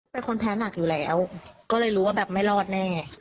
เป็นคนแพ้หนักอยู่แล้วก็เลยรู้ว่าแบบไม่รอดแน่